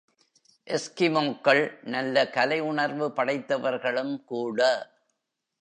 எஸ்கிமோக்கள் நல்ல கலை உணர்வு படைத்தவர்களும் கூட.